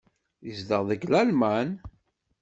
Yezdeɣ deg Lalman.